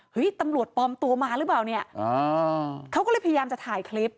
ตำรวจปลอมตัวมาหรือเปล่าเนี่ยเขาก็เลยพยายามจะถ่ายคลิป